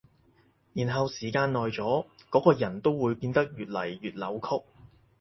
然後時間耐咗，嗰個人都會變得越來越扭曲